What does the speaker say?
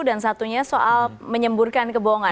dan satunya soal menyemburkan kebohongan